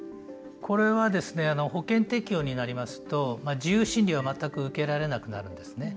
これは保険適用になりますと自由診療は全く受けられなくなるんですね。